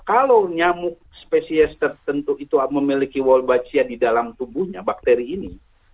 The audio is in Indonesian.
kalau nyamuk spesies tertentu itu memiliki walbachia di dalam tubuhnya bakteri ini